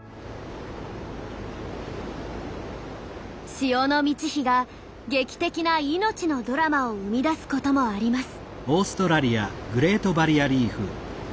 潮の満ち干が劇的な命のドラマを生み出すこともあります。